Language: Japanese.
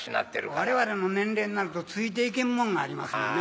我々の年齢になるとついて行けんもんがありますよね。